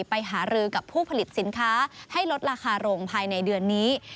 ไปหารือกับผู้ผลิตสินค้าให้ลดราคาลงภายในเดือนนี้